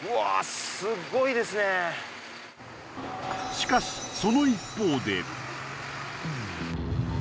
しかしその一方で。